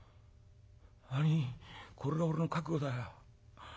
「兄ぃこれが俺の覚悟だよ。